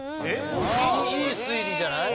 いい推理じゃない？